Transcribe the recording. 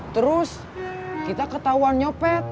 terus kita ketahuan nyopet